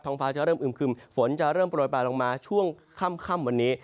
ฟ้าจะเริ่มอึมคึมฝนจะเริ่มโปรยปลายลงมาช่วงค่ำวันนี้